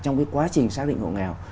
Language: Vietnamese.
trong cái quá trình xác định hộ nghèo